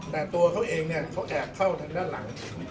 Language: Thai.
แต่ตัวเขาเองเนี่ยเขาแอบเข้าทางด้านหลัง